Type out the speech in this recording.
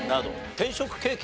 転職経験